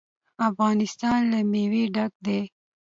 افغانستان له مېوې ډک دی.